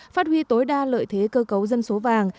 phát huy tối đa lợi thế cơ cấu dân số vàng